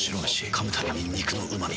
噛むたびに肉のうま味。